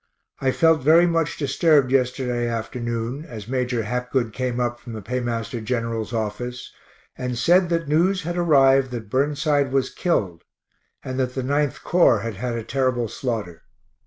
I felt very much disturbed yesterday afternoon, as Major Hapgood came up from the paymaster general's office, and said that news had arrived that Burnside was killed, and that the 9th Corps had had a terrible slaughter.